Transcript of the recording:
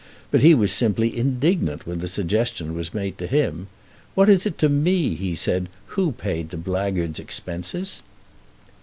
But he was simply indignant when the suggestion was made to him. "What is it to me," he said, "who paid the blackguard's expenses?"